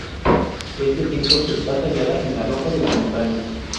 Este templo está tallada en la roca de la montaña.